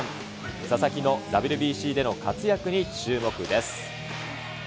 佐々木のＷＢＣでの活躍に注目です。